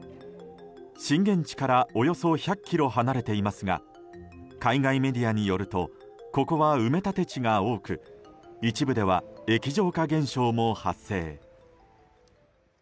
震源地からおよそ１００ｋｍ離れていますが海外メディアによるとここは埋め立て地が多く一部では液状化現象も発生。